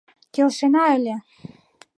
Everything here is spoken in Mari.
Келшена ыле.